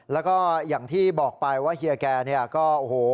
แล้วก็อย่างที่บอกไปว่าเฮียแกเนี่ยก็โอ้โห